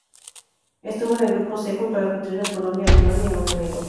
Estuvo en el grupo C, junto a la anfitriona Polonia, Alemania y Montenegro.